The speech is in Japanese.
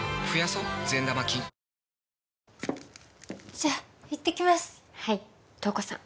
じゃあ行ってきますはい瞳子さん